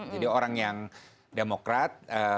jadi orang yang demokrat